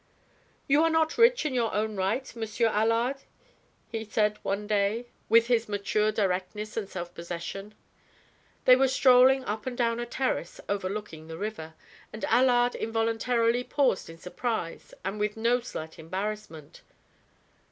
"You are not rich in your own right, Monsieur Allard?" he said one day, with his mature directness and self possession. They were strolling up and down a terrace overlooking the river, and Allard involuntarily paused in surprise and with no slight embarrassment.